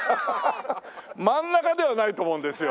真ん中ではないと思うんですよ。